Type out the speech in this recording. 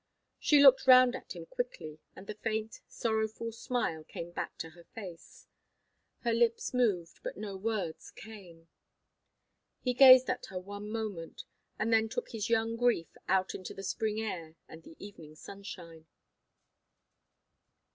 She looked round at him quickly, and the faint, sorrowful smile came back to her face. Her lips moved, but no words came. He gazed at her one moment, and then took his young grief out into the spring air and the evening sunshine.